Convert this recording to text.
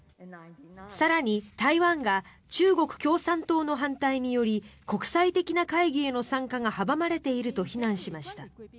更に、台湾が中国共産党の反対により国際的な会議への参加が阻まれていると非難しました。